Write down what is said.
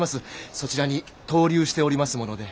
そちらに逗留しておりますもので。